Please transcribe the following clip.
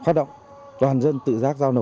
phát động toàn dân tự dắt giao nổ